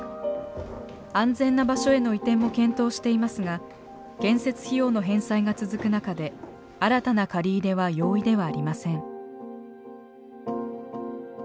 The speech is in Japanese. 安全な場所への移転も検討していますが建設費用の返済が続く中で新たな借り入れは容易ではありません。